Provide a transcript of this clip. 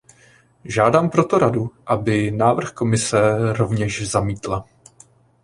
Žádám proto Radu, aby návrh Komise rovněž zamítla.